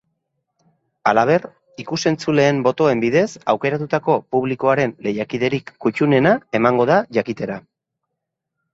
Halaber, ikus-entzuleen botoen bidez aukeratutako publikoaren lehiakiderik kuttunena emango da jakitera.